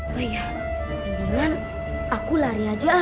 oh iya sebaiknya aku lari aja ah